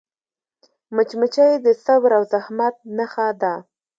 مچمچۍ د صبر او زحمت نښه ده